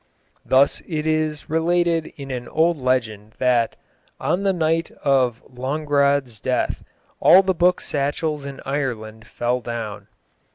Thus it is related in an old legend that 'on the night of Longaradh's death all the book satchels in Ireland fell down.'"